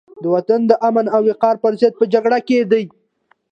د وطن د امن او وقار پرضد په جګړه کې دي.